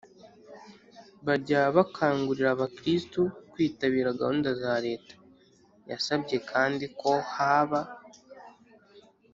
bajya bakangurira abakristu kwitabira gahunda za leta. yasabye kandi ko haba